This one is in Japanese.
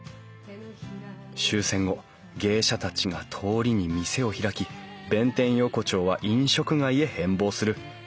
終戦後芸者たちが通りに店を開き弁天横丁は飲食街へ変貌する。